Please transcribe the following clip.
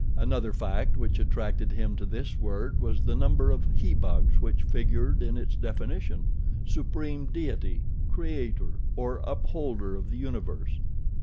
Another fact which attracted him to this word was the number of he bugs which figured in its definition Supreme Deity, Creator or Upholder of the Universe.